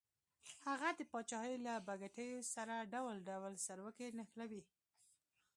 هغه د پاچاهۍ له بګتیو سره ډول ډول سروکي نښلوي.